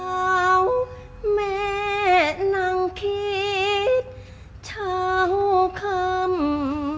เอาแม่นางคิดเท่าคำ